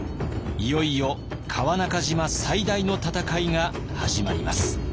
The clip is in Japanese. いよいよ川中島最大の戦いが始まります。